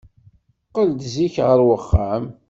Qqel-d zik ɣer uxxam.